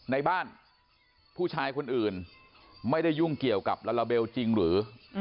ในบ้านผู้ชายคนอื่นไม่ได้ยุ่งเกี่ยวกับลาลาเบลจริงหรือ